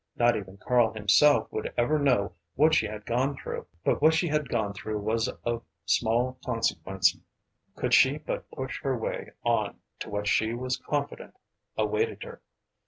Not even Karl himself would ever know what she had gone through, but what she had gone through was of small consequence could she but push her way on to what she was confident awaited her.